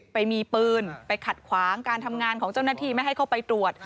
ไปมีปืนไปขัดขวางการทำงานของเจ้าหน้าที่ไม่ให้เข้าไปตรวจ